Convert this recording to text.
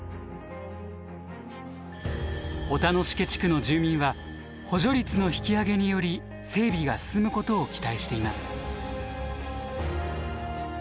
大楽毛地区の住民は補助率の引き上げにより整備が進むことを期待しています。